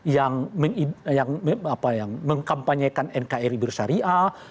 yang mengkampanyekan nkri bersyariah